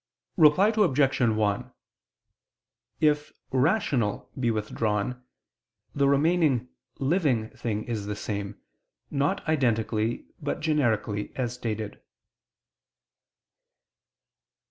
Reply Obj. 1: If "rational" be withdrawn, the remaining "living" thing is the same, not identically, but generically, as stated.